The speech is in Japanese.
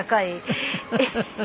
フフフフ。